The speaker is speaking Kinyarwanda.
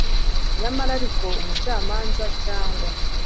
Nyamara ariko umucamanza cyangwa